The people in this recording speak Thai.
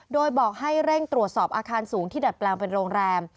โดยบอกให้เร่งตรวจสอบอาคารสูงที่ดัดแปลงเป็นโรงแรม